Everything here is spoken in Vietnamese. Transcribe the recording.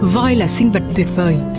voi là sinh vật tuyệt vời